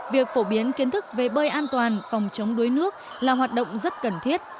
việc phổ biến kiến thức về bơi an toàn phòng chống đuối nước là hoạt động rất cần thiết